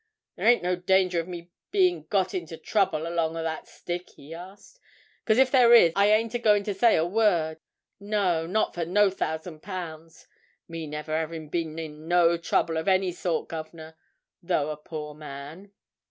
"There ain't no danger of me being got into trouble along of that stick?" he asked. "'Cause if there is, I ain't a going to say a word—no, not for no thousand pounds! Me never having been in no trouble of any sort, guv'nor—though a poor man."